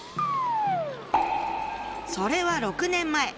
それは６年前。